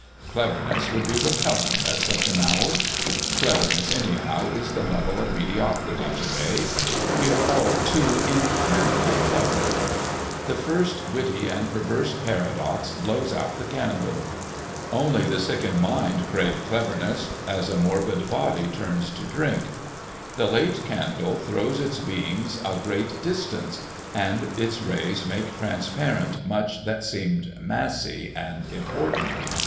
Cleverness would be repellent at such an hour. Cleverness, anyhow, is the level of mediocrity to day; we are all too infernally clever. The first witty and perverse paradox blows out the candle. Only the sick in mind crave cleverness, as a morbid body turns to drink. The late candle throws its beams a great distance; and its rays make transparent much that seemed massy and important.